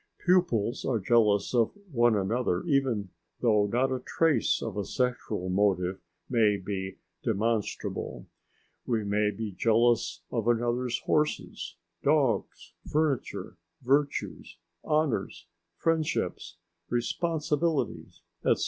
Pupils are jealous of one another even though not a trace of a sexual motive may be demonstrable. We may be jealous of another's horses, dogs, furniture, virtues, honours, friendships, responsibilities, etc.